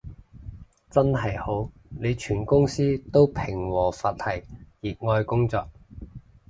真係好，你全公司都平和佛系熱愛工作